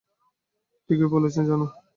ঠিকই বলেছ, জানো।